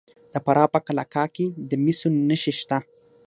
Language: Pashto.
د فراه په قلعه کاه کې د مسو نښې شته.